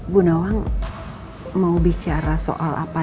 bu nawang mau bicara soal apa